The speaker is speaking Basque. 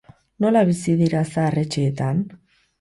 Nola bizi dira zahar-etxeetan?